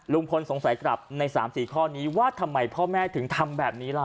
สงสัยกลับใน๓๔ข้อนี้ว่าทำไมพ่อแม่ถึงทำแบบนี้ล่ะ